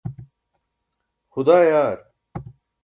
xudaa yaar